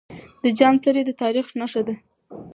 د جام څلی د تاريخ نښه ده.